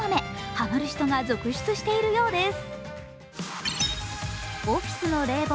ハマる人が続出しているようです。